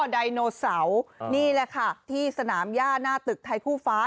ไดโนเสาร์นี่แหละค่ะที่สนามย่าหน้าตึกไทยคู่ฟ้า